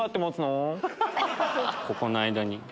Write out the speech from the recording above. ここの間に。